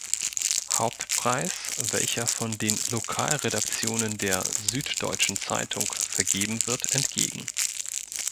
Hauptpreis, welcher von den Lokalredaktionen der "Süddeutschen Zeitung" vergeben wird entgegen.